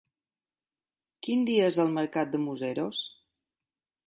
Quin dia és el mercat de Museros?